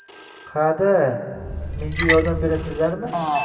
Ha da...Menga yordam berasizlarmi?